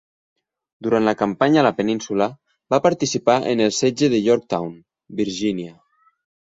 Durant la campanya a la península, va participar en el setge de Yorktown, Virgínia.